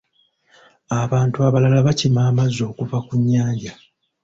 Abantu abalala baakima amazzi okuva ku nnyanja.